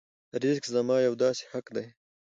رزق زما یو داسې حق دی.